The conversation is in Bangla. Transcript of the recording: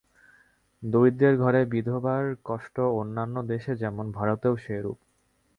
দরিদ্রের ঘরে বিধবার কষ্ট অন্যান্য দেশে যেমন, ভারতেও সেইরূপ।